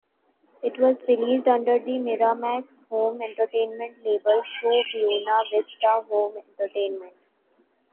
It was released under the Miramax Home Entertainment label through Buena Vista Home Entertainment.